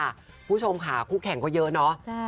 คุณผู้ชมค่ะคู่แข่งก็เยอะเนาะ